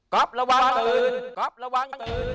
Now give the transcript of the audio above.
ก๊อประวังตื่น